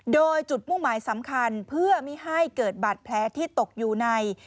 โดยจุดมุ่งหมายสำคัญเพื่อไม่ให้เกิดบาดแผลที่ตกอยู่ใน